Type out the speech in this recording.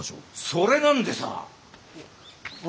・それなんでさあ！